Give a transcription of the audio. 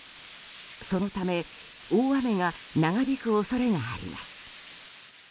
そのため大雨が長引く恐れがあります。